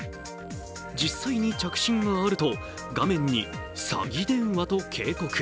実際に着信があると画面に「詐欺電話」と警告。